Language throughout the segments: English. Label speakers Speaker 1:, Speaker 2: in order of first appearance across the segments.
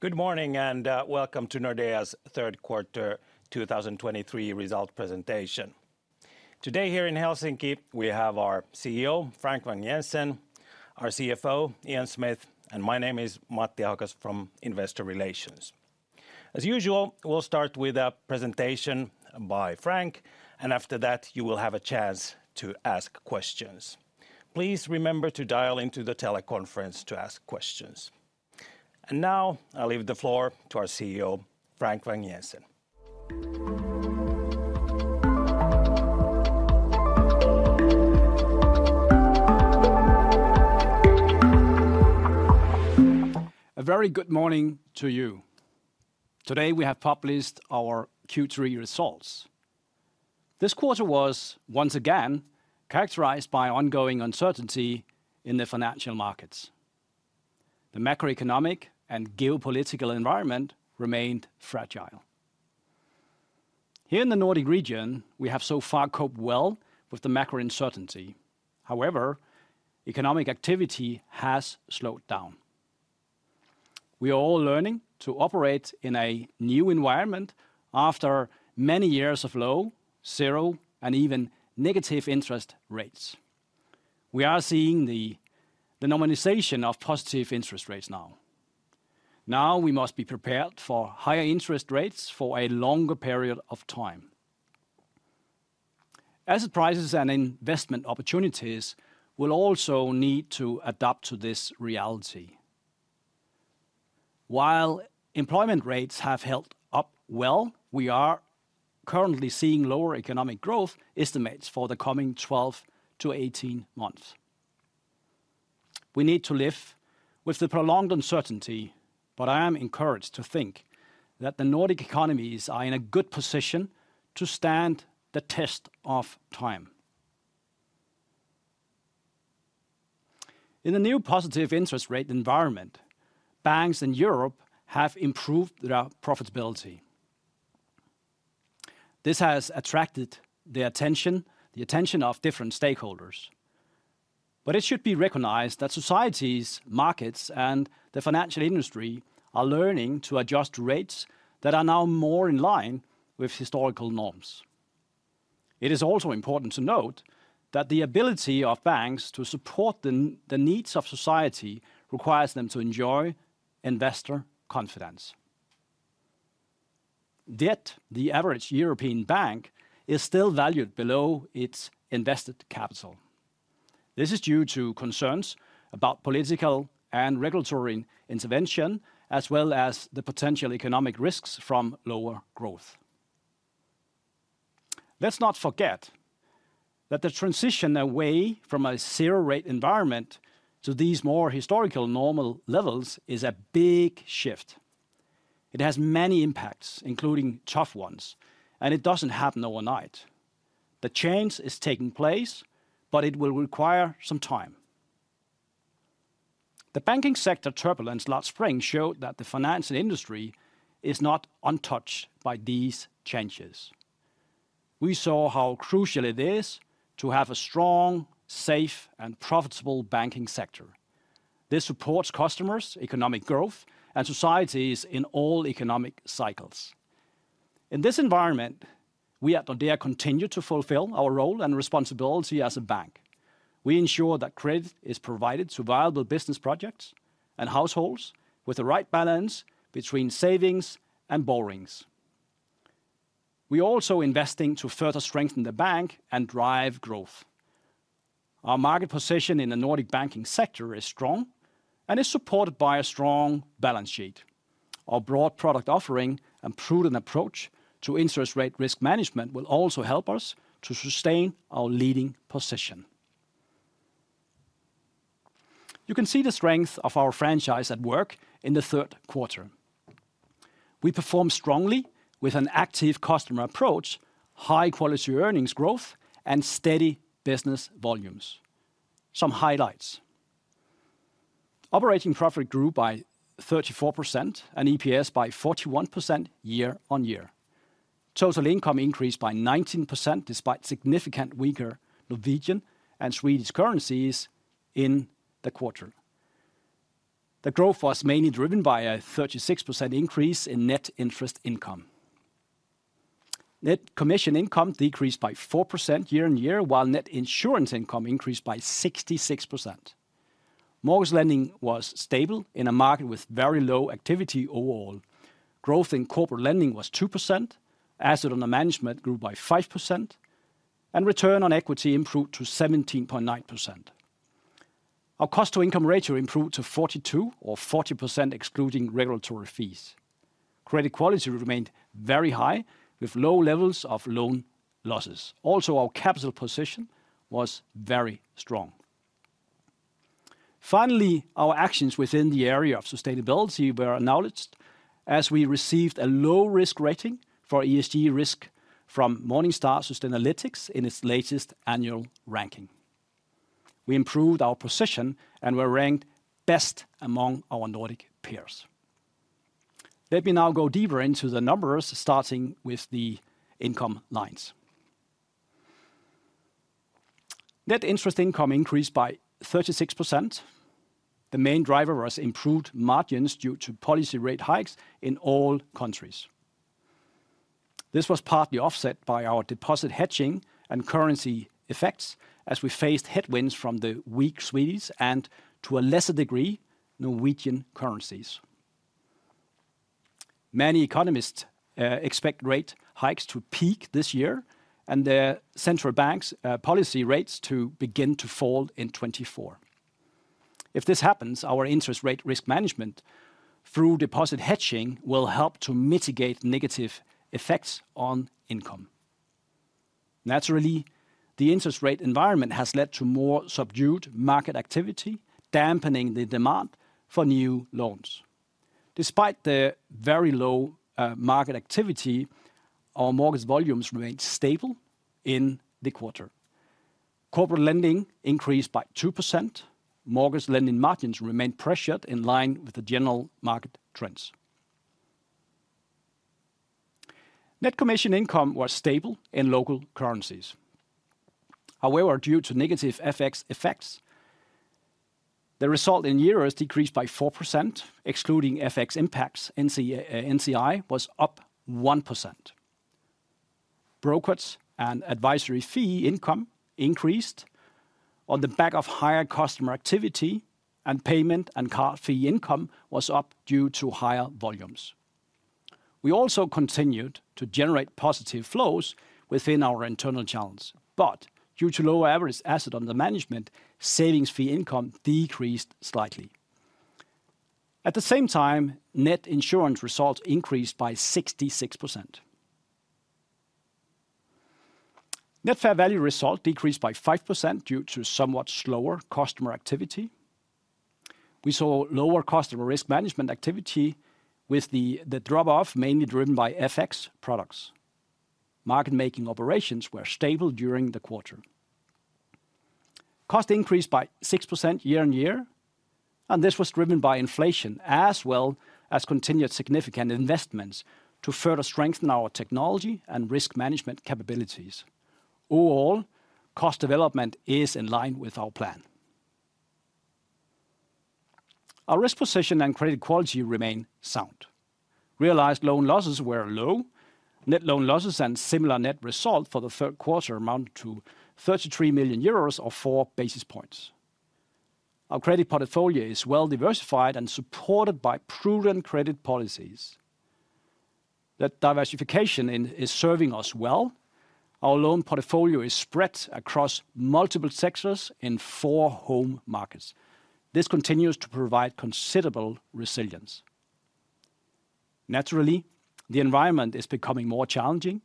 Speaker 1: Good morning, and welcome to Nordea's third quarter 2023 result presentation. Today, here in Helsinki, we have our CEO, Frank Vang-Jensen, our CFO, Ian Smith, and my name is Matti Ahokas from Investor Relations. As usual, we'll start with a presentation by Frank, and after that, you will have a chance to ask questions. Please remember to dial into the teleconference to ask questions. Now, I leave the floor to our CEO, Frank Vang-Jensen.
Speaker 2: A very good morning to you. Today, we have published our Q3 results. This quarter was, once again, characterized by ongoing uncertainty in the financial markets. The macroeconomic and geopolitical environment remained fragile. Here in the Nordic region, we have so far coped well with the macro uncertainty. However, economic activity has slowed down. We are all learning to operate in a new environment after many years of low, zero, and even negative interest rates. We are seeing the normalization of positive interest rates now. Now, we must be prepared for higher interest rates for a longer period of time. Asset prices and investment opportunities will also need to adapt to this reality. While employment rates have held up well, we are currently seeing lower economic growth estimates for the coming 12-18 months. We need to live with the prolonged uncertainty, but I am encouraged to think that the Nordic economies are in a good position to stand the test of time. In the new positive interest rate environment, banks in Europe have improved their profitability. This has attracted the attention of different stakeholders. But it should be recognized that societies, markets, and the financial industry are learning to adjust to rates that are now more in line with historical norms. It is also important to note that the ability of banks to support the needs of society requires them to enjoy investor confidence. Yet, the average European bank is still valued below its invested capital. This is due to concerns about political and regulatory intervention, as well as the potential economic risks from lower growth. Let's not forget that the transition away from a zero-rate environment to these more historical normal levels is a big shift. It has many impacts, including tough ones, and it doesn't happen overnight. The change is taking place, but it will require some time. The banking sector turbulence last spring showed that the financial industry is not untouched by these changes. We saw how crucial it is to have a strong, safe, and profitable banking sector. This supports customers, economic growth, and societies in all economic cycles. In this environment, we at Nordea continue to fulfill our role and responsibility as a bank. We ensure that credit is provided to viable business projects and households with the right balance between savings and borrowings. We also investing to further strengthen the bank and drive growth. Our market position in the Nordic banking sector is strong and is supported by a strong balance sheet. Our broad product offering and prudent approach to interest rate risk management will also help us to sustain our leading position. You can see the strength of our franchise at work in the third quarter. We performed strongly with an active customer approach, high-quality earnings growth, and steady business volumes. Some highlights: Operating profit grew by 34% and EPS by 41% year-on-year. Total income increased by 19%, despite significant weaker Norwegian and Swedish currencies in the quarter. The growth was mainly driven by a 36% increase in net interest income. Net commission income decreased by 4% year-on-year, while net insurance income increased by 66%. Mortgage lending was stable in a market with very low activity overall. Growth in corporate lending was 2%, asset under management grew by 5%, and return on equity improved to 17.9%. Our cost-to-income ratio improved to 42% or 40%, excluding regulatory fees. Credit quality remained very high, with low levels of loan losses. Also, our capital position was very strong. Finally, our actions within the area of sustainability were acknowledged as we received a low-risk rating for ESG risk from Morningstar Sustainalytics in its latest annual ranking. We improved our position and were ranked best among our Nordic peers. Let me now go deeper into the numbers, starting with the income lines. Net interest income increased by 36%. The main driver was improved margins due to policy rate hikes in all countries. This was partly offset by our deposit hedging and currency effects, as we faced headwinds from the weak Swedish and, to a lesser degree, Norwegian currencies. Many economists expect rate hikes to peak this year, and the central bank's policy rates to begin to fall in 2024. If this happens, our interest rate risk management through deposit hedging will help to mitigate negative effects on income. Naturally, the interest rate environment has led to more subdued market activity, dampening the demand for new loans. Despite the very low market activity, our mortgage volumes remained stable in the quarter. Corporate lending increased by 2%. Mortgage lending margins remained pressured in line with the general market trends. Net commission income was stable in local currencies. However, due to negative FX effects, the result in euros decreased by 4%, excluding FX impacts, NCI was up 1%. Brokerage and advisory fee income increased on the back of higher customer activity, and payment and card fee income was up due to higher volumes. We also continued to generate positive flows within our internal channels, but due to lower average asset under management, savings fee income decreased slightly. At the same time, net insurance results increased by 66%. Net fair value result decreased by 5% due to somewhat slower customer activity. We saw lower customer risk management activity with the drop-off mainly driven by FX products. Market-making operations were stable during the quarter. Cost increased by 6% year-on-year, and this was driven by inflation, as well as continued significant investments to further strengthen our technology and risk management capabilities. Overall, cost development is in line with our plan. Our risk position and credit quality remain sound. Realized loan losses were low. Net loan losses and similar net result for the third quarter amounted to 33 million euros or four basis points. Our credit portfolio is well diversified and supported by prudent credit policies. That diversification is serving us well. Our loan portfolio is spread across multiple sectors in four home markets. This continues to provide considerable resilience. Naturally, the environment is becoming more challenging,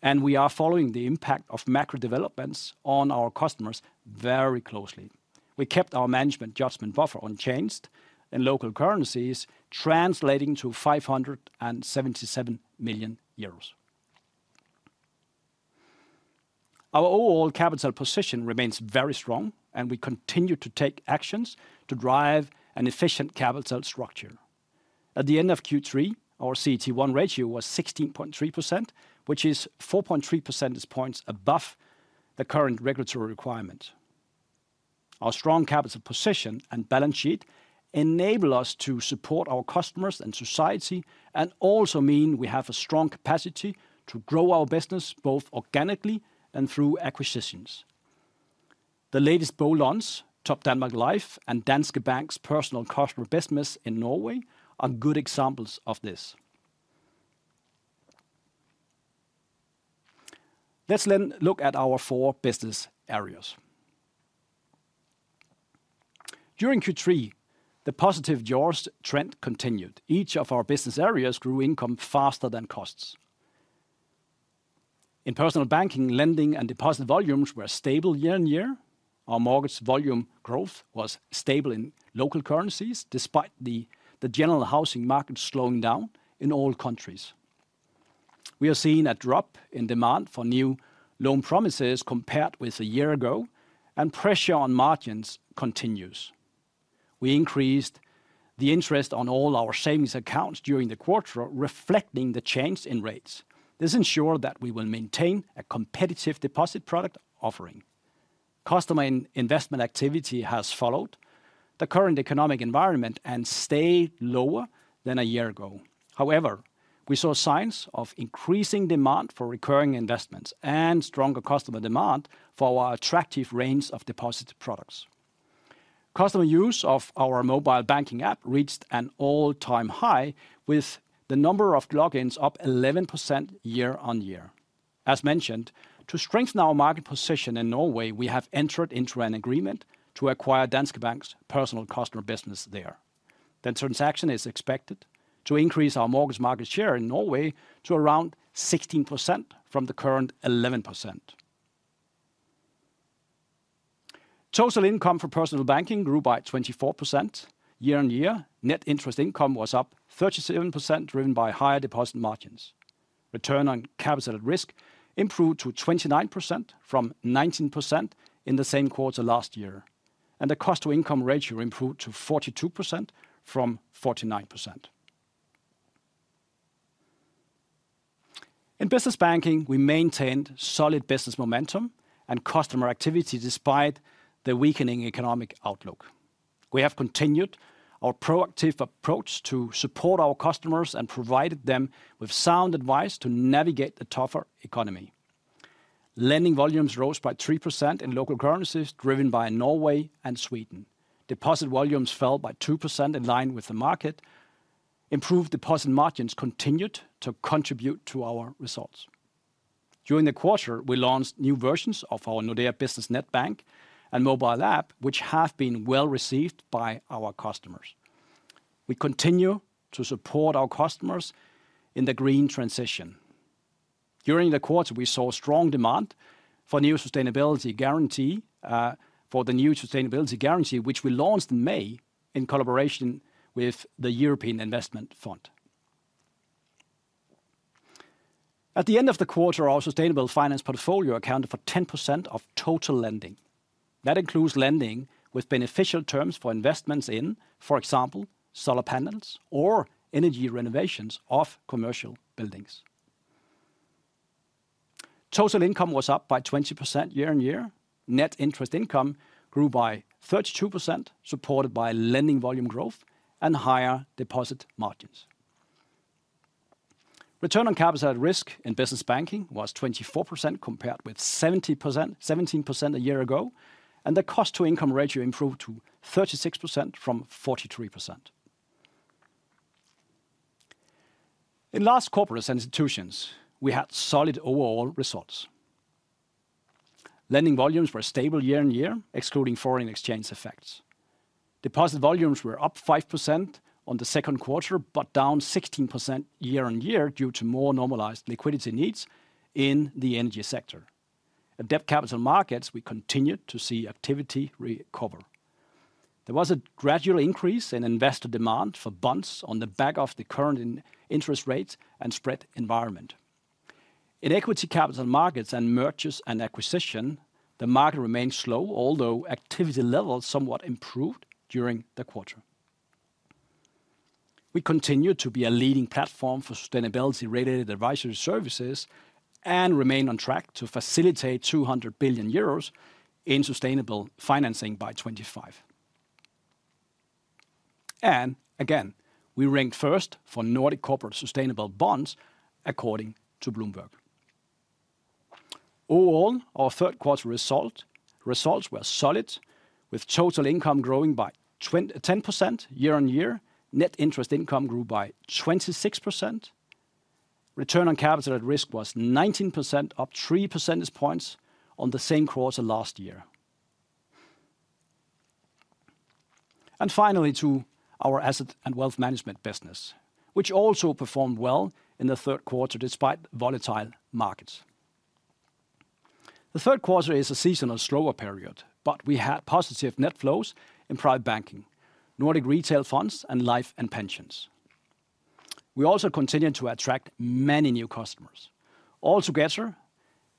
Speaker 2: and we are following the impact of macro developments on our customers very closely. We kept our management judgment buffer unchanged, in local currencies, translating to 577 million euros. Our overall capital position remains very strong, and we continue to take actions to drive an efficient capital structure. At the end of Q3, our CET1 ratio was 16.3%, which is 4.3 percentage points above the current regulatory requirement. Our strong capital position and balance sheet enable us to support our customers and society, and also mean we have a strong capacity to grow our business, both organically and through acquisitions. The latest ones, Topdanmark Life, and Danske Bank's personal customer business in Norway, are good examples of this. Let's then look at our four business areas. During Q3, the positive jaws trend continued. Each of our business areas grew income faster than costs. In personal banking, lending and deposit volumes were stable year-on-year. Our mortgage volume growth was stable in local currencies, despite the general housing market slowing down in all countries. We are seeing a drop in demand for new loan promises compared with a year ago, and pressure on margins continues. We increased the interest on all our savings accounts during the quarter, reflecting the change in rates. This ensure that we will maintain a competitive deposit product offering. Customer investment activity has followed the current economic environment and stayed lower than a year ago. However, we saw signs of increasing demand for recurring investments and stronger customer demand for our attractive range of deposit products. Customer use of our mobile banking app reached an all-time high, with the number of logins up 11% year-on-year. As mentioned, to strengthen our market position in Norway, we have entered into an agreement to acquire Danske Bank's personal customer business there. The transaction is expected to increase our mortgage market share in Norway to around 16% from the current 11%. Total income for personal banking grew by 24% year-on-year. Net interest income was up 37%, driven by higher deposit margins. Return on capital at risk improved to 29% from 19% in the same quarter last year, and the cost-to-income ratio improved to 42% from 49%.... In business banking, we maintained solid business momentum and customer activity despite the weakening economic outlook. We have continued our proactive approach to support our customers and provided them with sound advice to navigate the tougher economy. Lending volumes rose by 3% in local currencies, driven by Norway and Sweden. Deposit volumes fell by 2%, in line with the market. Improved deposit margins continued to contribute to our results. During the quarter, we launched new versions of our Nordea Business Netbank and mobile app, which have been well received by our customers. We continue to support our customers in the green transition. During the quarter, we saw strong demand for new sustainability guarantee, for the new sustainability guarantee, which we launched in May in collaboration with the European Investment Fund. At the end of the quarter, our sustainable finance portfolio accounted for 10% of total lending. That includes lending with beneficial terms for investments in, for example, solar panels or energy renovations of commercial buildings. Total income was up by 20% year-over-year. Net interest income grew by 32%, supported by lending volume growth and higher deposit margins. Return on capital at risk in business banking was 24%, compared with 17% a year ago, and the cost-to-income ratio improved to 36% from 43%. In large corporates and institutions, we had solid overall results. Lending volumes were stable year-on-year, excluding foreign exchange effects. Deposit volumes were up 5% on the second quarter, but down 16% year-on-year, due to more normalized liquidity needs in the energy sector. In debt capital markets, we continued to see activity recover. There was a gradual increase in investor demand for bonds on the back of the current interest rates and spread environment. In equity capital markets and mergers and acquisitions, the market remained slow, although activity levels somewhat improved during the quarter. We continue to be a leading platform for sustainability-related advisory services and remain on track to facilitate 200 billion euros in sustainable financing by 2025. And again, we ranked first for Nordic corporate sustainable bonds, according to Bloomberg. Overall, our third quarter results were solid, with total income growing by 10% year-on-year. Net interest income grew by 26%. Return on capital at risk was 19%, up three percentage points on the same quarter last year. And finally, to our asset and wealth management business, which also performed well in the third quarter, despite volatile markets. The third quarter is a seasonal slower period, but we had positive net flows in private banking, Nordic retail funds, and life and pensions. We also continued to attract many new customers. Altogether,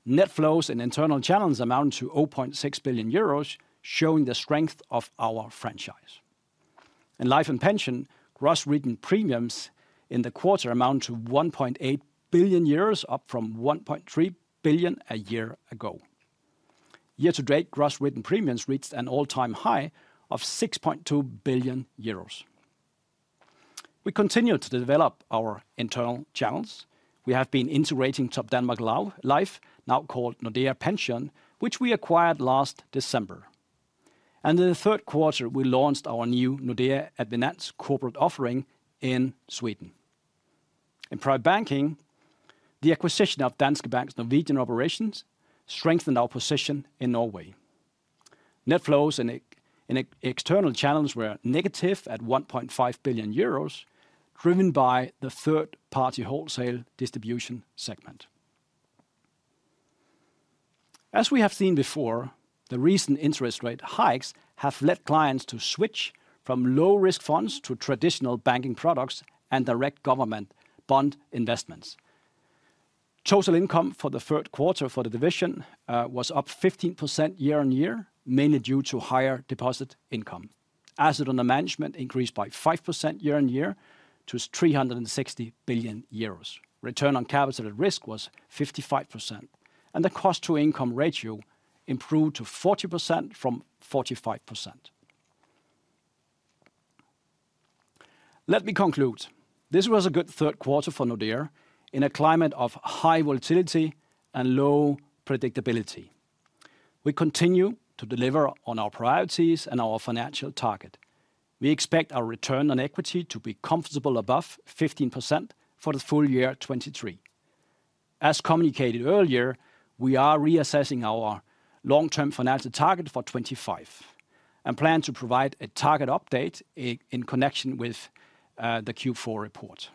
Speaker 2: net flows and internal channels amount to 0.6 billion euros, showing the strength of our franchise. In life and pension, gross written premiums in the quarter amount to 1.8 billion euros, up from 1.3 billion a year ago. Year to date, gross written premiums reached an all-time high of 6.2 billion euros. We continue to develop our internal channels. We have been integrating Topdanmark Life, now called Nordea Pension, which we acquired last December. And in the third quarter, we launched our new Nordea Advinans corporate offering in Sweden. In private banking, the acquisition of Danske Bank's Norwegian operations strengthened our position in Norway. Net flows in external channels were negative at 1.5 billion euros, driven by the third-party wholesale distribution segment. As we have seen before, the recent interest rate hikes have led clients to switch from low-risk funds to traditional banking products and direct government bond investments. Total income for the third quarter for the division was up 15% year-on-year, mainly due to higher deposit income. Asset under management increased by 5% year-on-year to 360 billion euros. Return on capital at risk was 55%, and the cost-to-income ratio improved to 40% from 45%. Let me conclude. This was a good third quarter for Nordea in a climate of high volatility and low predictability. We continue to deliver on our priorities and our financial target. We expect our return on equity to be comfortable above 15% for the full year 2023. As communicated earlier, we are reassessing our long-term financial target for 25, and plan to provide a target update in connection with the Q4 report.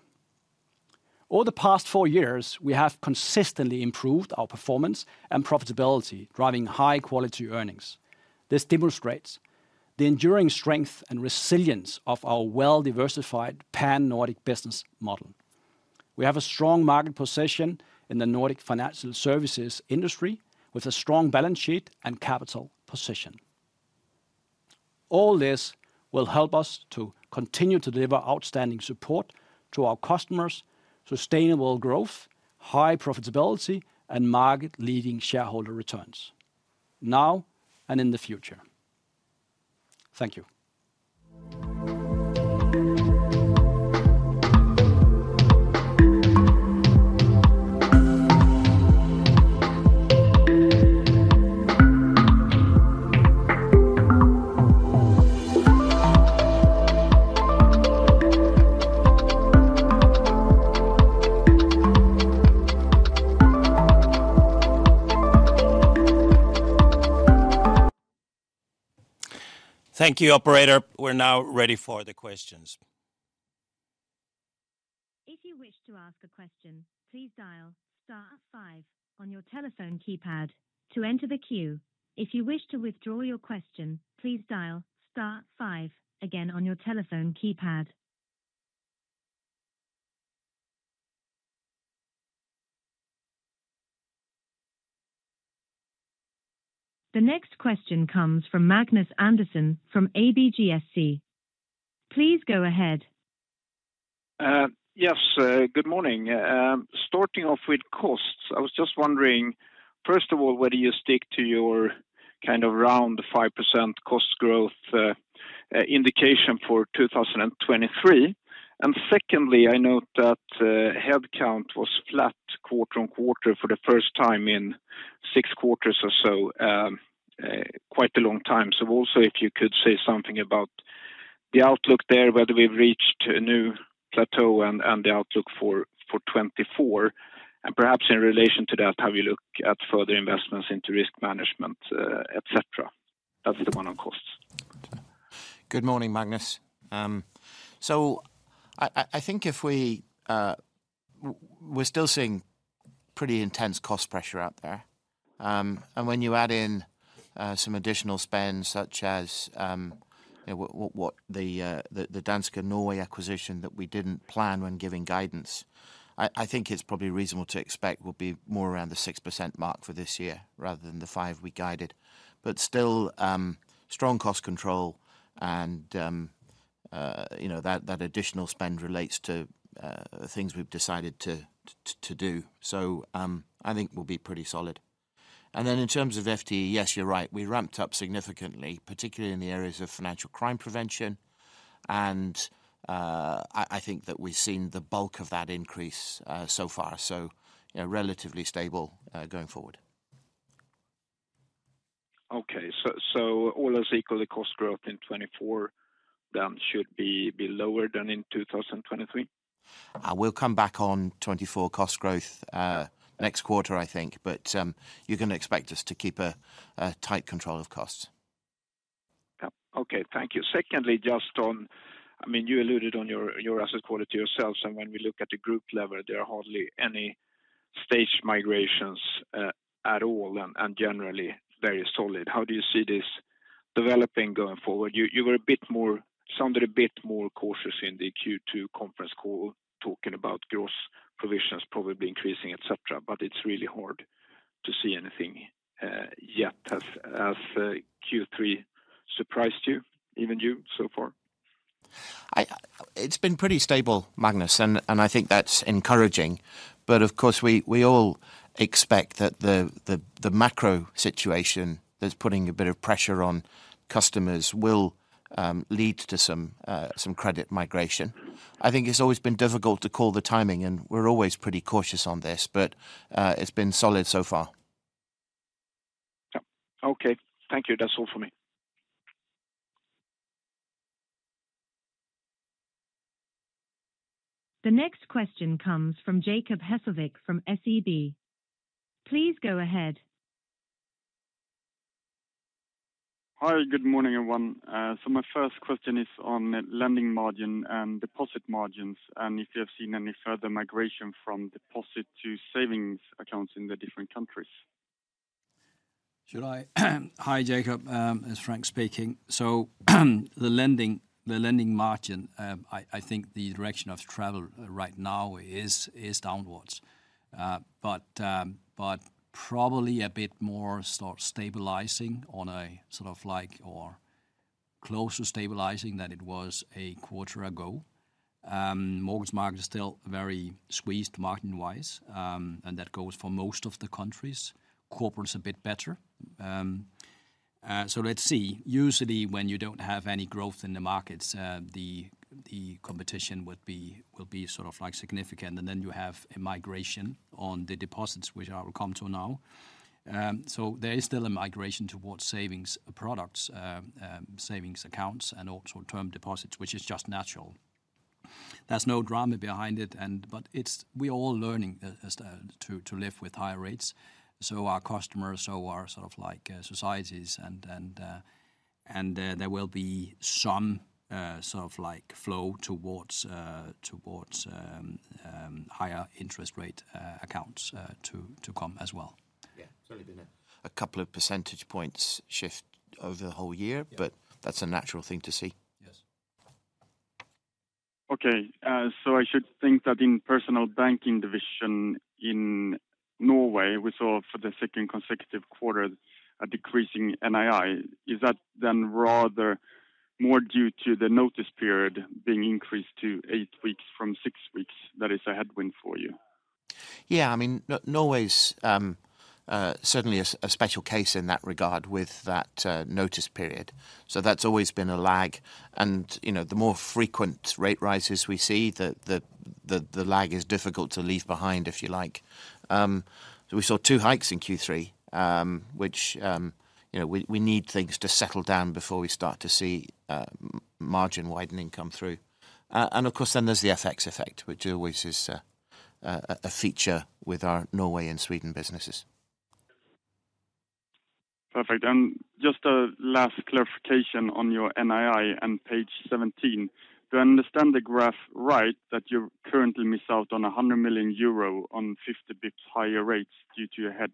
Speaker 2: Over the past four years, we have consistently improved our performance and profitability, driving high-quality earnings. This demonstrates the enduring strength and resilience of our well-diversified Pan-Nordic business model. We have a strong market position in the Nordic financial services industry, with a strong balance sheet and capital position.... All this will help us to continue to deliver outstanding support to our customers, sustainable growth, high profitability, and market-leading shareholder returns, now and in the future. Thank you.
Speaker 1: Thank you, operator. We're now ready for the questions.
Speaker 3: If you wish to ask a question, please dial star five on your telephone keypad to enter the queue. If you wish to withdraw your question, please dial star five again on your telephone keypad. The next question comes from Magnus Andersson from ABGSC. Please go ahead.
Speaker 4: Yes, good morning. Starting off with costs, I was just wondering, first of all, whether you stick to your kind of around the 5% cost growth indication for 2023. And secondly, I note that headcount was flat quarter-on-quarter for the first time in 6 quarters or so, quite a long time. So also, if you could say something about the outlook there, whether we've reached a new plateau and the outlook for 2024, and perhaps in relation to that, how you look at further investments into risk management, et cetera. That's the one on costs.
Speaker 5: Good morning, Magnus. So I think if we're still seeing pretty intense cost pressure out there. And when you add in some additional spend, such as the Danske Norway acquisition that we didn't plan when giving guidance, I think it's probably reasonable to expect we'll be more around the 6% mark for this year rather than the 5% we guided. But still, strong cost control and you know, that additional spend relates to things we've decided to do. So I think we'll be pretty solid. In terms of FTE, yes, you're right, we ramped up significantly, particularly in the areas of financial crime prevention, and I think that we've seen the bulk of that increase so far, so yeah, relatively stable going forward.
Speaker 4: Okay. So all else equal, the cost growth in 2024 then should be lower than in 2023?
Speaker 5: We'll come back on 2024 cost growth, next quarter, I think. But, you can expect us to keep a tight control of costs.
Speaker 4: Yeah. Okay, thank you. Secondly, just on... I mean, you alluded to your asset quality yourselves, and when we look at the group level, there are hardly any stage migrations at all, and generally very solid. How do you see this developing going forward? You sounded a bit more cautious in the Q2 conference call, talking about gross provisions probably increasing, et cetera, but it's really hard to see anything yet. Has Q3 surprised you, even you, so far?
Speaker 5: It's been pretty stable, Magnus, and I think that's encouraging. But of course, we all expect that the macro situation that's putting a bit of pressure on customers will lead to some credit migration. I think it's always been difficult to call the timing, and we're always pretty cautious on this, but it's been solid so far.
Speaker 4: Yeah. Okay. Thank you. That's all for me.
Speaker 3: The next question comes from Jacob Hesslevik from SEB. Please go ahead.
Speaker 6: Hi, good morning, everyone. So my first question is on lending margin and deposit margins, and if you have seen any further migration from deposit to savings accounts in the different countries?
Speaker 2: Should I? Hi, Jacob, it's Frank speaking. So, the lending, the lending margin, I think the direction of travel right now is downwards. But probably a bit more sort of stabilizing on a sort of like or closer stabilizing than it was a quarter ago. Mortgage market is still very squeezed, margin-wise, and that goes for most of the countries. Corporate is a bit better. So let's see. Usually, when you don't have any growth in the markets, the competition will be sort of, like, significant, and then you have a migration on the deposits, which I will come to now. So there is still a migration towards savings products, savings accounts, and also term deposits, which is just natural. There's no drama behind it, but it's—we're all learning as to live with higher rates. So our customers, so are sort of like societies and there will be some sort of like flow towards higher interest rate accounts to come as well.
Speaker 5: Yeah. It's only been a couple of percentage points shift over the whole year-
Speaker 2: Yeah.
Speaker 5: but that's a natural thing to see....
Speaker 6: Okay, so I should think that in personal banking division in Norway, we saw for the second consecutive quarter a decreasing NII. Is that then rather more due to the notice period being increased to 8 weeks from 6 weeks, that is a headwind for you?
Speaker 5: Yeah, I mean, Norway is certainly a special case in that regard with that notice period. So that's always been a lag, and, you know, the more frequent rate rises we see, the lag is difficult to leave behind, if you like. So we saw two hikes in Q3, which, you know, we need things to settle down before we start to see margin widening come through. And of course, then there's the FX effect, which always is a feature with our Norway and Sweden businesses.
Speaker 6: Perfect. And just a last clarification on your NII and page seventeen. Do I understand the graph right, that you currently miss out on 100 million euro on 50 basis points higher rates due to your hedge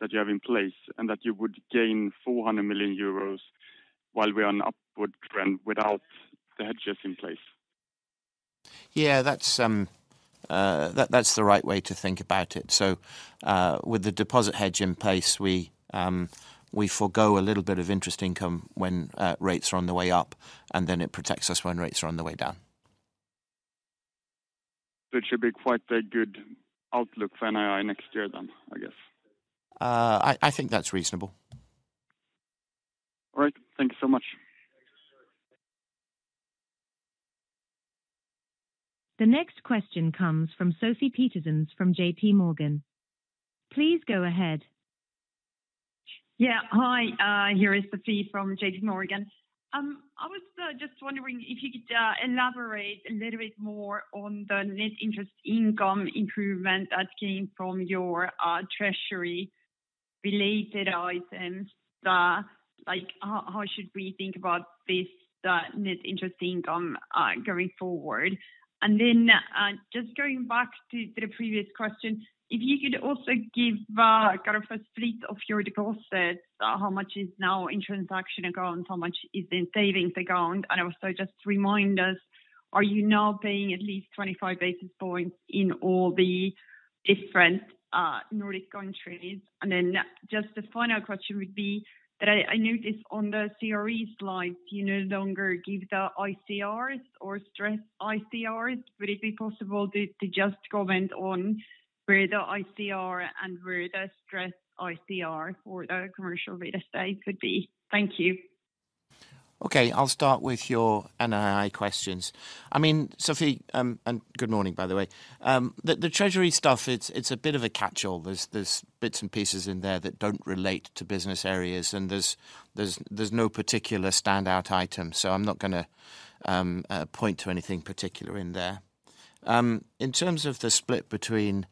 Speaker 6: that you have in place, and that you would gain 400 million euros while we're on upward trend without the hedges in place?
Speaker 5: Yeah, that's the right way to think about it. So, with the deposit hedge in place, we forego a little bit of interest income when rates are on the way up, and then it protects us when rates are on the way down.
Speaker 6: It should be quite a good outlook for NII next year then, I guess?
Speaker 5: I think that's reasonable.
Speaker 6: All right. Thank you so much.
Speaker 3: The next question comes from Sofie Peterzens from JP Morgan. Please go ahead.
Speaker 7: Yeah. Hi, here is Sophie from JP Morgan. I was just wondering if you could elaborate a little bit more on the net interest income improvement that came from your treasury-related items. Like, how should we think about this, the net interest income going forward? And then, just going back to the previous question, if you could also give kind of a split of your deposits, how much is now in transaction account, how much is in savings account? And also just remind us, are you now paying at least 25 basis points in all the different Nordic countries? And then just the final question would be that I noticed on the CRE slides, you no longer give the ICRs or stress ICRs. Would it be possible to just comment on where the ICR and where the stress ICR for the commercial real estate would be? Thank you.
Speaker 5: Okay, I'll start with your NII questions. I mean, Sophie, and good morning, by the way. The treasury stuff, it's a bit of a catch-all. There's bits and pieces in there that don't relate to business areas, and there's no particular standout item, so I'm not gonna point to anything particular in there. In terms of the split between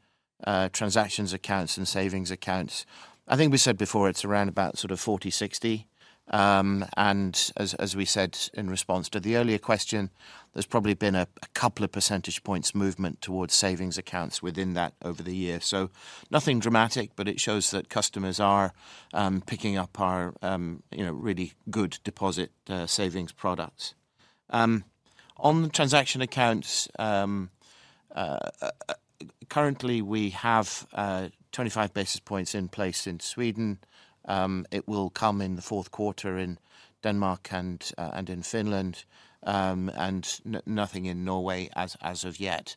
Speaker 5: transactions accounts and savings accounts, I think we said before, it's around about sort of 40-60. And as we said in response to the earlier question, there's probably been a couple of percentage points movement towards savings accounts within that over the year. So nothing dramatic, but it shows that customers are picking up our, you know, really good deposit savings products. On the transaction accounts, currently, we have 25 basis points in place in Sweden. It will come in the fourth quarter in Denmark and in Finland, and nothing in Norway as of yet.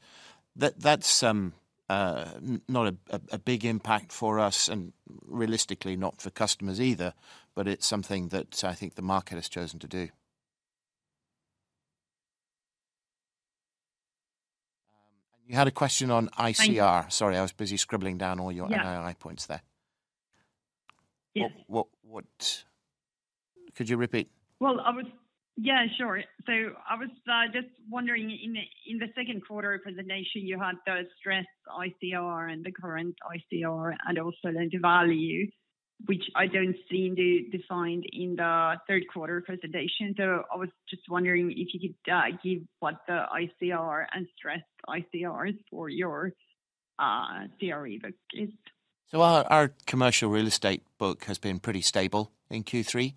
Speaker 5: That's not a big impact for us and realistically, not for customers either, but it's something that I think the market has chosen to do. And you had a question on ICR.
Speaker 7: I-
Speaker 5: Sorry, I was busy scribbling down all your-
Speaker 7: Yeah...
Speaker 5: NII points there.
Speaker 7: Yeah.
Speaker 5: What, what... Could you repeat?
Speaker 7: Well, I was. Yeah, sure. So I was just wondering, in the second quarter presentation, you had the stress ICR and the current ICR, and also the devalue, which I don't seem to defined in the third quarter presentation. So I was just wondering if you could give what the ICR and stress ICR is for your CRE book is.
Speaker 5: So our commercial real estate book has been pretty stable in Q3,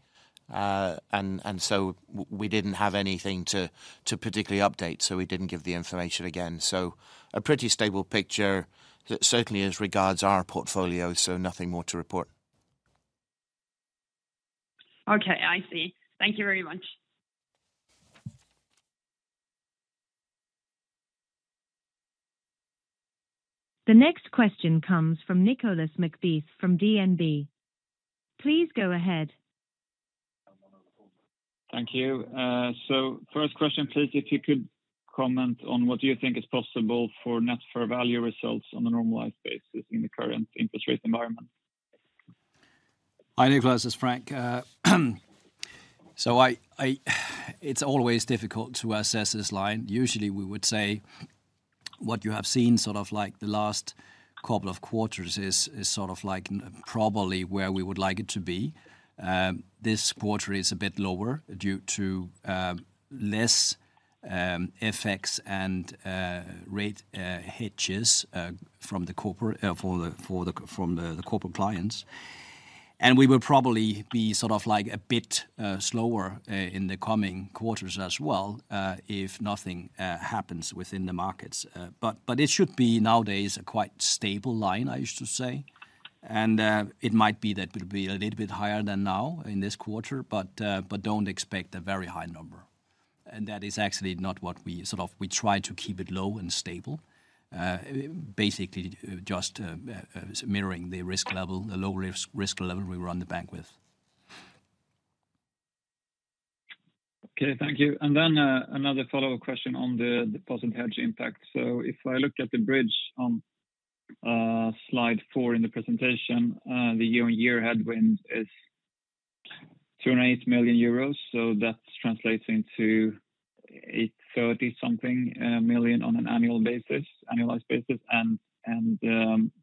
Speaker 5: and so we didn't have anything to particularly update, so we didn't give the information again. So a pretty stable picture that certainly as regards our portfolio, so nothing more to report.
Speaker 7: Okay, I see. Thank you very much.
Speaker 3: The next question comes from Nicolas McBeath, from DNB. Please go ahead.
Speaker 8: Thank you. So first question, please, if you could comment on what you think is possible for net fair value results on a normalized basis in the current interest rate environment.
Speaker 2: Hi, Nicholas, it's Frank. So it's always difficult to assess this line. Usually, we would say what you have seen, sort of like the last couple of quarters is sort of like probably where we would like it to be. This quarter is a bit lower due to less effects and rate hedges from the corporate clients and we will probably be sort of like a bit slower in the coming quarters as well, if nothing happens within the markets. But it should be nowadays a quite stable line, I used to say. It might be that it will be a little bit higher than now in this quarter, but don't expect a very high number. That is actually not what we sort of. We try to keep it low and stable, basically, just mirroring the risk level, the low risk level we run the bank with.
Speaker 8: Okay, thank you. And then another follow-up question on the deposit hedge impact. So if I look at the bridge on slide 4 in the presentation, the year-on-year headwind is 280 million euros, so that translates into 830-something million on an annual basis, annualized basis. And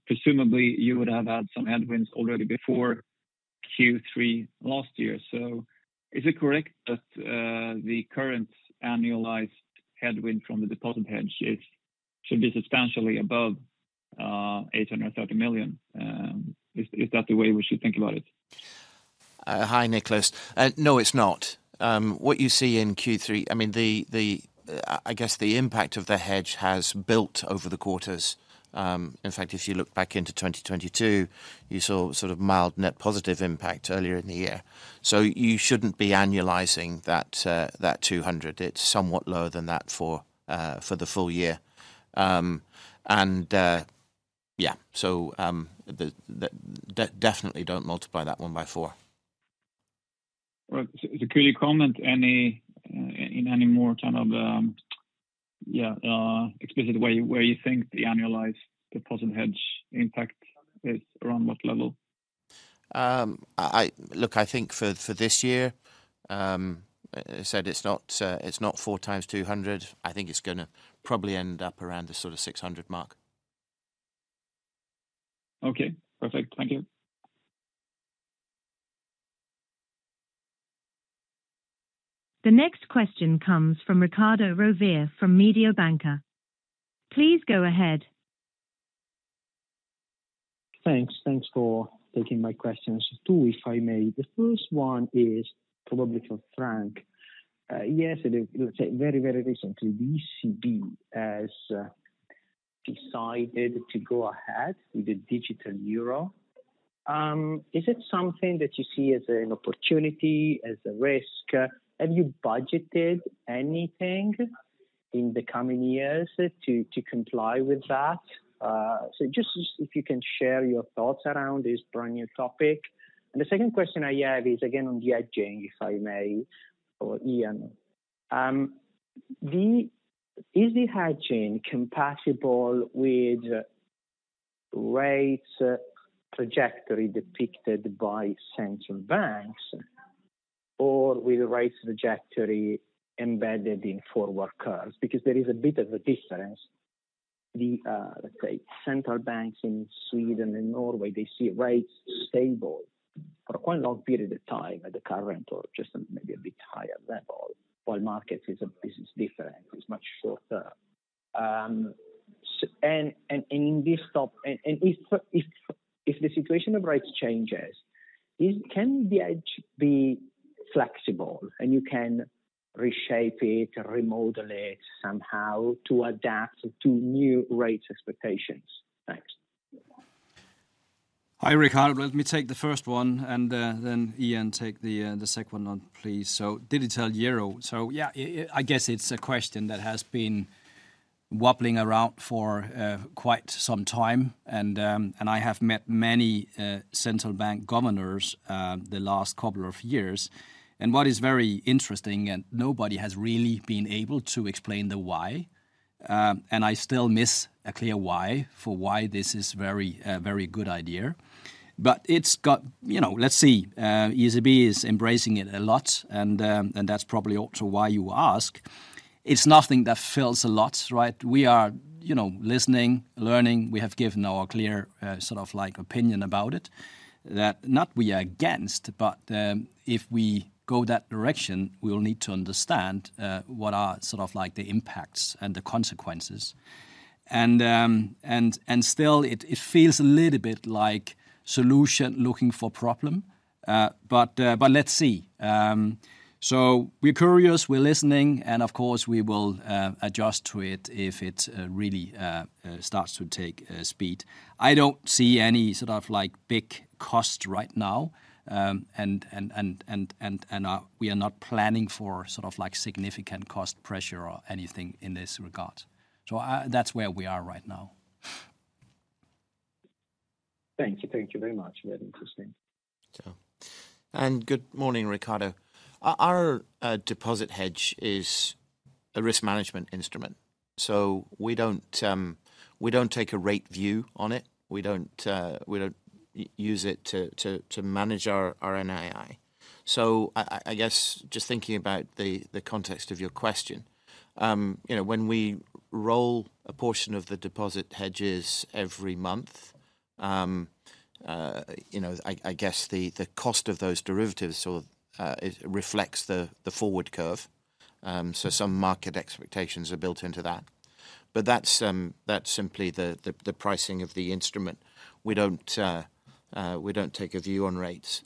Speaker 8: presumably, you would have had some headwinds already before Q3 last year. So is it correct that the current annualized headwind from the deposit hedge should be substantially above 830 million? Is that the way we should think about it?
Speaker 5: Hi, Nicholas. No, it's not. What you see in Q3, I mean, I guess the impact of the hedge has built over the quarters. In fact, if you look back into 2022, you saw sort of mild net positive impact earlier in the year. So you shouldn't be annualizing that 200. It's somewhat lower than that for the full year. And yeah, so, definitely don't multiply that one by four.
Speaker 8: Well, so could you comment any in any more kind of explicit way where you think the annualized deposit hedge impact is around what level?
Speaker 5: Look, I think for this year, I said it's not 4 times 200. I think it's gonna probably end up around the sort of 600 mark.
Speaker 8: Okay, perfect. Thank you.
Speaker 3: The next question comes from Riccardo Rovere from Mediobanca. Please go ahead.
Speaker 9: Thanks. Thanks for taking my questions. Two, if I may. The first one is probably for Frank. Yesterday, let's say very, very recently, ECB has decided to go ahead with the digital euro. Is it something that you see as an opportunity, as a risk? Have you budgeted anything in the coming years to comply with that? So just if you can share your thoughts around this brand-new topic. And the second question I have is again on the hedging, if I may, for Ian. Is the hedging compatible with rates trajectory depicted by central banks or with the rates trajectory embedded in forward curves? Because there is a bit of a difference. Let's say, central banks in Sweden and Norway, they see rates stable for a quite long period of time at the current or just maybe a bit higher level, while markets is different, much shorter. And in this topic, if the situation of rates changes, can the hedge be flexible, and you can reshape it, remodel it somehow to adapt to new rates expectations? Thanks.
Speaker 2: Hi, Riccardo. Let me take the first one, and then Ian, take the second one, please. So digital euro. So yeah, I guess it's a question that has been wobbling around for quite some time, and and I have met many central bank governors the last couple of years. And what is very interesting, and nobody has really been able to explain the why, and I still miss a clear why for why this is very very good idea. But it's got... You know, let's see, ECB is embracing it a lot, and and that's probably also why you ask. It's nothing that feels a lot, right? We are, you know, listening, learning. We have given our clear, sort of like opinion about it. That we are not against, but if we go that direction, we will need to understand what are sort of like the impacts and the consequences. And still it feels a little bit like solution looking for problem, but let's see. So we're curious, we're listening, and of course, we will adjust to it if it really starts to take speed. I don't see any sort of like big cost right now, and we are not planning for sort of like significant cost pressure or anything in this regard. So, that's where we are right now.
Speaker 9: Thank you. Thank you very much. Very interesting.
Speaker 5: Good morning, Riccardo. Our deposit hedge is a risk management instrument, so we don't, we don't take a rate view on it. We don't, we don't use it to, to, to manage our, our NII. So I, I, I guess, just thinking about the, the context of your question, you know, when we roll a portion of the deposit hedges every month, you know, I, I guess the, the cost of those derivatives sort of, it reflects the, the forward curve, so some market expectations are built into that. But that's, that's simply the, the, the pricing of the instrument. We don't, we don't take a view on rates.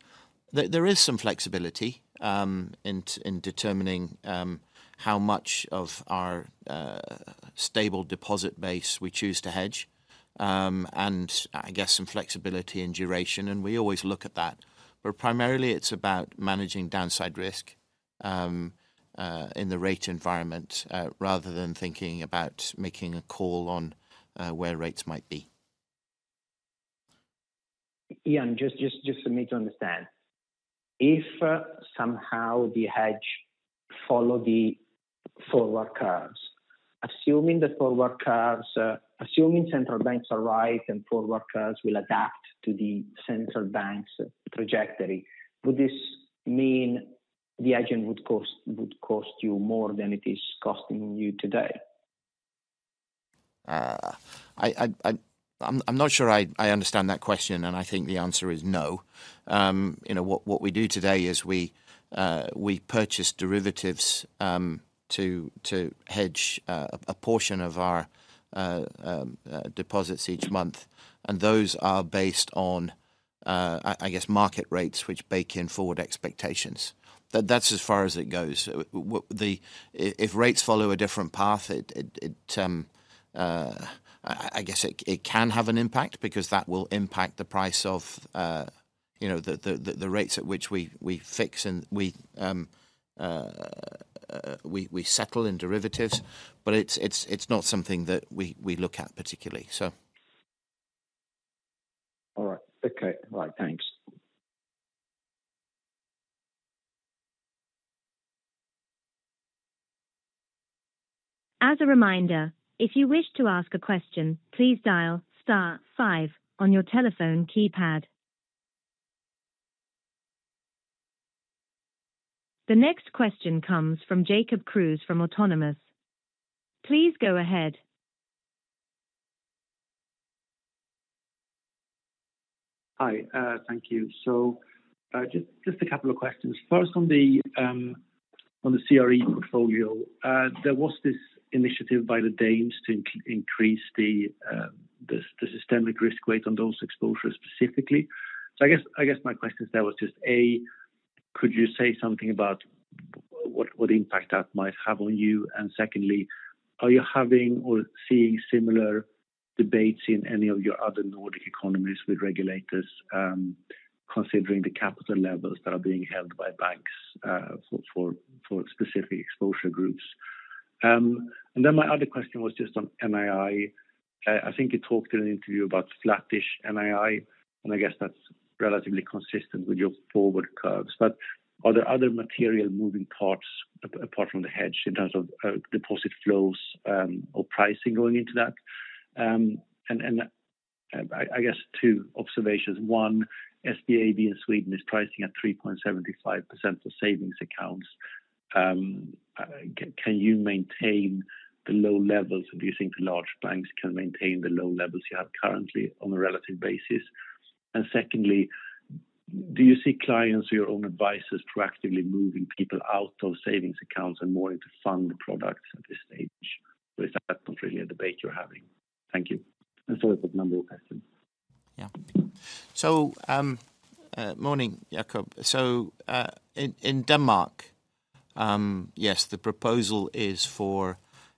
Speaker 5: There is some flexibility in determining how much of our stable deposit base we choose to hedge, and I guess some flexibility and duration, and we always look at that. But primarily it's about managing downside risk in the rate environment rather than thinking about making a call on where rates might be.
Speaker 9: Ian, just for me to understand. If somehow the hedge follow the forward curves, assuming the forward curves, assuming central banks are right and forward curves will adapt to the central bank's trajectory, would this mean the hedging would cost, would cost you more than it is costing you today?
Speaker 5: I'm not sure I understand that question, and I think the answer is no. You know, what we do today is we purchase derivatives to hedge a portion of our deposits each month, and those are based on, I guess, market rates, which bake in forward expectations. That's as far as it goes. If rates follow a different path, it can have an impact because that will impact the price of, you know, the rates at which we fix and we settle in derivatives. But it's not something that we look at particularly, so.
Speaker 9: All right. Okay. Bye, thanks.
Speaker 3: As a reminder, if you wish to ask a question, please dial star five on your telephone keypad. The next question comes from Jacob Kruse from Autonomous. Please go ahead.
Speaker 10: Hi, thank you. So, just a couple of questions. First, on the CRE portfolio, there was this initiative by the Danes to increase the systemic risk weight on those exposures specifically. So I guess my question there was just, A, could you say something about what impact that might have on you? And secondly, are you having or seeing similar debates in any of your other Nordic economies with regulators, considering the capital levels that are being held by banks, for specific exposure groups? And then my other question was just on NII. I think you talked in an interview about flattish NII, and I guess that's relatively consistent with your forward curves. But are there other material moving parts, apart from the hedge, in terms of deposit flows, or pricing going into that? And I guess two observations. One, SBAB in Sweden is pricing at 3.75% for savings accounts. Can you maintain the low levels? Do you think the large banks can maintain the low levels you have currently on a relative basis? And secondly, do you see clients or your own advisors proactively moving people out of savings accounts and more into fund products at this stage, or is that not really a debate you're having? Thank you. And sorry for the number of questions.
Speaker 5: Yeah. So, morning, Jacob. So, in Denmark, yes, the proposal is for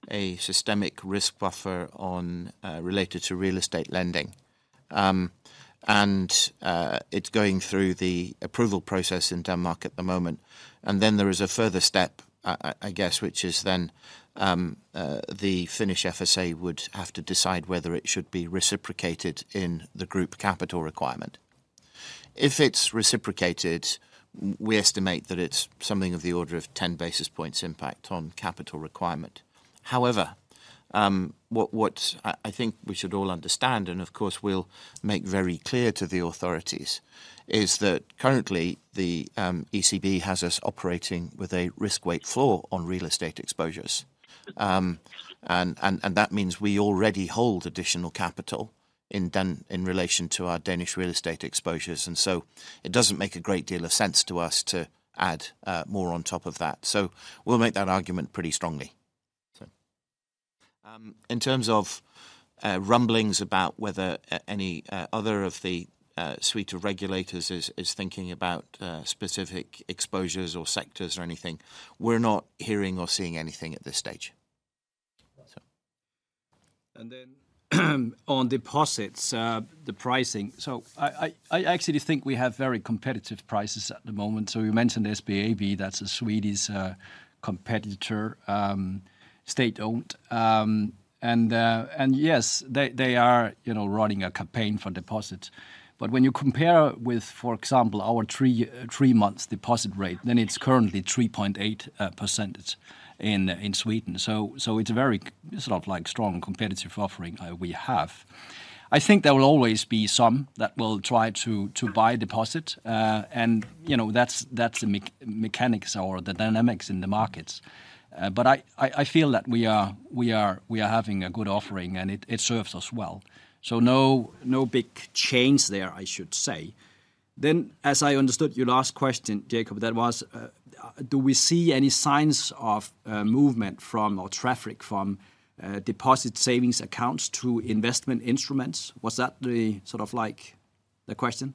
Speaker 5: a systemic risk buffer on related to real estate lending. And, it's going through the approval process in Denmark at the moment. And then there is a further step, I guess, which is then, the Finnish FSA would have to decide whether it should be reciprocated in the group capital requirement. If it's reciprocated, we estimate that it's something of the order of ten basis points impact on capital requirement. However, what I think we should all understand, and of course, we'll make very clear to the authorities, is that currently the, ECB has us operating with a risk weight floor on real estate exposures. That means we already hold additional capital in Danish real estate exposures, and so it doesn't make a great deal of sense to us to add more on top of that. So, in terms of rumblings about whether any other of the suite of regulators is thinking about specific exposures or sectors or anything, we're not hearing or seeing anything at this stage, so.
Speaker 2: Then, on deposits, the pricing. So I actually think we have very competitive prices at the moment. So you mentioned SBAB, that's a Swedish competitor, state-owned. And yes, they are, you know, running a campaign for deposits. But when you compare with, for example, our three months deposit rate, then it's currently 3.8% in Sweden. So it's a very sort of like strong competitive offering we have. I think there will always be some that will try to buy deposits, and, you know, that's the mechanics or the dynamics in the markets. But I feel that we are having a good offering, and it serves us well. So no big change there, I should say. Then as I understood your last question, Jacob, that was, do we see any signs of, movement from, or traffic from, deposit savings accounts to investment instruments? Was that the sort of like the question?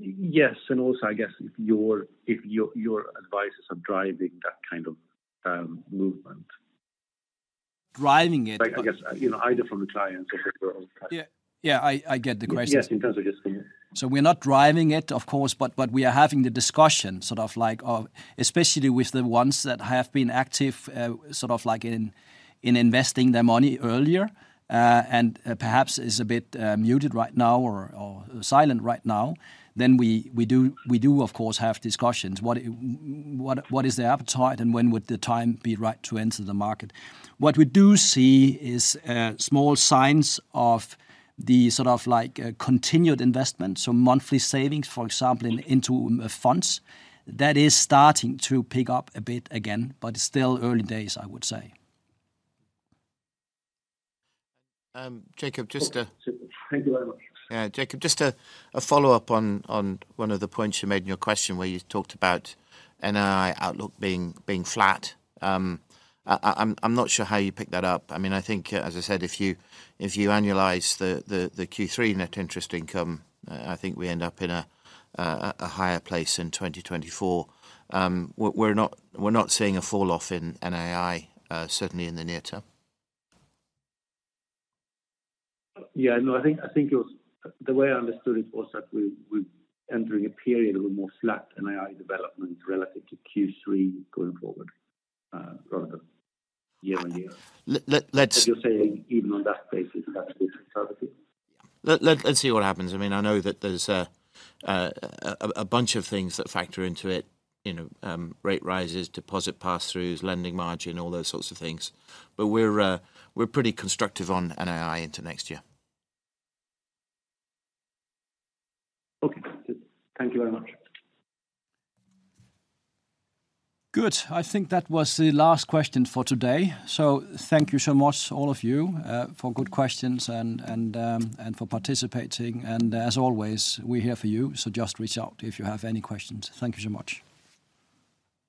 Speaker 10: Yes, and also, I guess if your advices are driving that kind of movement.
Speaker 2: Driving it?
Speaker 10: Like, I guess, you know, either from the clients or-
Speaker 2: Yeah. Yeah, I, I get the question.
Speaker 10: Yes, in terms of just, yeah.
Speaker 2: So we're not driving it, of course, but we are having the discussion, sort of like, especially with the ones that have been active, sort of like in investing their money earlier, and perhaps is a bit muted right now or silent right now, then we do, of course, have discussions. What, what is their appetite, and when would the time be right to enter the market? What we do see is small signs of the sort of like continued investment, so monthly savings, for example, into funds. That is starting to pick up a bit again, but it's still early days, I would say.
Speaker 5: Jacob, just to-
Speaker 10: Thank you very much.
Speaker 5: Yeah, Jacob, just a follow-up on one of the points you made in your question, where you talked about NII outlook being flat. I'm not sure how you picked that up. I mean, I think, as I said, if you annualize the Q3 net interest income, I think we end up in a higher place in 2024. We're not seeing a falloff in NII, certainly in the near term.
Speaker 10: Yeah. No, I think, I think it was... The way I understood it was that we, we're entering a period of a more flat NII development relative to Q3 going forward, rather than year-over-year.
Speaker 5: Le-let, let's-
Speaker 10: But you're saying even on that basis, that's the strategy?
Speaker 5: Let's see what happens. I mean, I know that there's a bunch of things that factor into it, you know, rate rises, deposit pass-throughs, lending margin, all those sorts of things. But we're pretty constructive on NII into next year.
Speaker 10: Okay. Thank you very much.
Speaker 2: Good. I think that was the last question for today. So thank you so much, all of you, for good questions and for participating. And as always, we're here for you, so just reach out if you have any questions. Thank you so much.